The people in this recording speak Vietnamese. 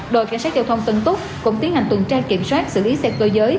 đội cảnh sát giao thông tân túc cũng tiến hành tuần tra kiểm soát xử lý xe cơ giới